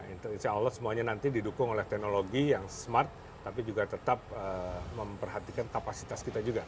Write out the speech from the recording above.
insya allah semuanya nanti didukung oleh teknologi yang smart tapi juga tetap memperhatikan kapasitas kita juga